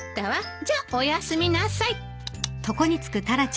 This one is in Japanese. じゃおやすみなさい。